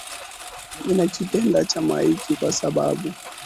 ninakipenda chama hiki kwa sababu